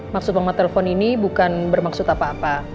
maksud lama telepon ini bukan bermaksud apa apa